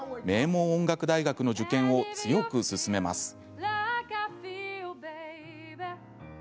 名門音楽大学の受験を強く勧めます。